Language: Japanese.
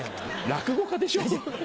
落語家でしょ？